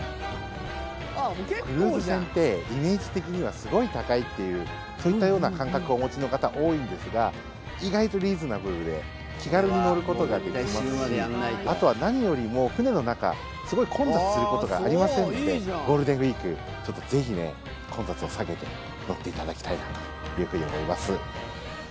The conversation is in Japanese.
クルーズ船ってイメージ的にはすごい高いというそういったような感覚をお持ちの方多いんですが意外とリーズナブルで気軽に乗ることができますしあとは何よりも船の中すごい混雑することがありませんのでゴールデンウィークぜひ混雑を避けて乗っていただきたいなというふうに思います。